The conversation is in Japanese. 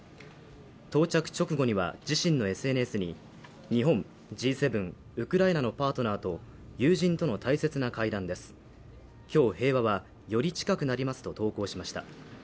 到着直後には自身のＳＮＳに、日本、Ｇ７、ウクライナのパートナーと友人との大切な会談です、今日、平和はより近くなりますと投稿しました。